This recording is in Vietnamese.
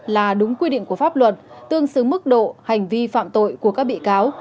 là đúng quy định của pháp luật tương xứng mức độ hành vi phạm tội của các bị cáo